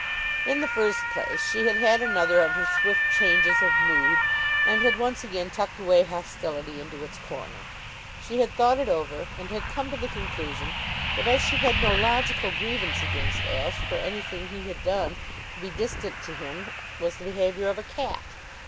In the first place, she had had another of her swift changes of mood, and had once again tucked away hostility into its corner. She had thought it over and had come to the conclusion that as she had no logical grievance against Ashe for anything he had done to be distant to him was the behavior of a cat.